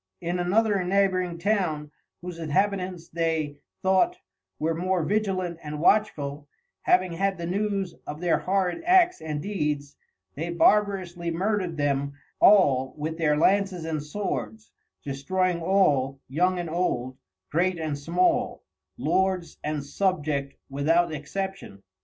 In another Neighboring Town, whose Inhabitants they thought, were more vigilant and watchful, having had the News of their horrid Acts and Deeds, they barbarously murdered them all with their Lances and Swords, destroying all, Young and Old, Great and Small, Lords and Subject without exception.